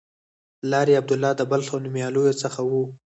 پلار یې عبدالله د بلخ له نومیالیو څخه و.